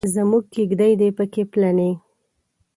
زموږ کیږدۍ دې پکې پلنې.